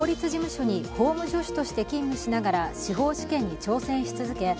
小室さんは、法律事務所に法務助手として勤務しながら司法試験に挑戦し続け